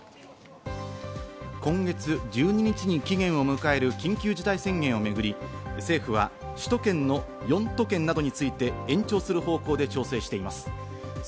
今月１２日に期限を迎える緊急事態宣言をめぐり、政府は首都圏への４都県などについて延長する方向で調整しています。